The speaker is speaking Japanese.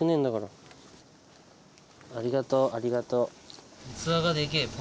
ありがとうありがとう。